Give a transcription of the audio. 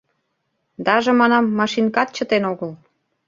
Даже, манам, машинкат чытен огыл...